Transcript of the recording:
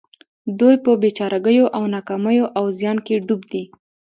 دوی په بې چارګيو او ناکاميو او زيان کې ډوب دي.